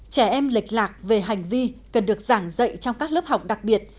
điều một mươi ba trẻ em lệch lạc về hành vi cần được giảng dạy trong các lớp học đặc biệt